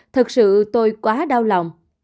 thật sự tôi quá đau lòng